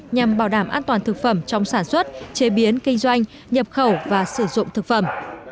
nhằm bảo đảm an toàn thực phẩm trong sản xuất chế biến kinh doanh nhập khẩu và sử dụng thực phẩm